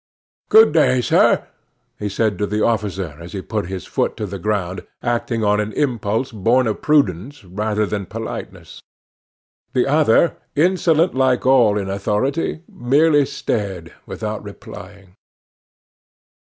"Good day, sir," he said to the officer as he put his foot to the ground, acting on an impulse born of prudence rather than of politeness. The other, insolent like all in authority, merely stared without replying.